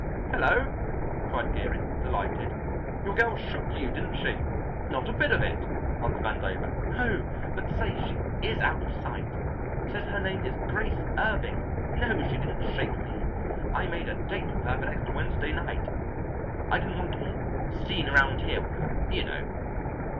"Hello," cried Geary, delighted, "your girl shook you, didn't she?" "Not a bit of it," answered Vandover. "Oh, but say, she is out of sight! Says her name is Grace Irving. No, she didn't shake me. I made a date with her for next Wednesday night. I didn't want to be seen around here with her, you know."